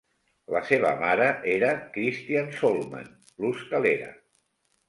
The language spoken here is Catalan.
La seva mare era Christiane Sollmann, l'hostalera.